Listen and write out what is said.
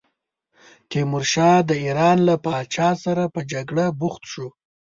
تیمورشاه د ایران له پاچا سره په جګړه بوخت شو.